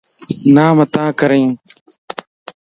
نامتان ڪرين